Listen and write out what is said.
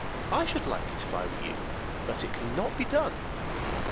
I should like it if I were you. But it can not be done."